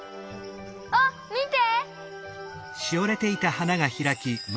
あっみて！